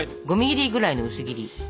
５ｍｍぐらいの薄切り。